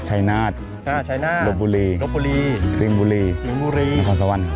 ชายนาดโรบบุหรีซิมบุหรีนครสวรรค์